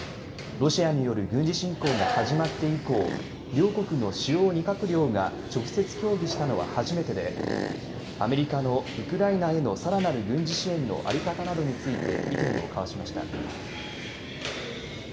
ロシアによる軍事侵攻が始まって以降両国の主要２閣僚が直接協議したのは初めてでアメリカのウクライナへのさらなる軍事支援の在り方などについて意見を交わしました。